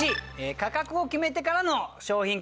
「価格を決めてからの商品開発」。